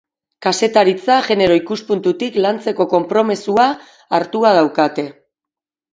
Kazetaritza genero ikuspuntutik lantzeko konpromezua hartua daukate.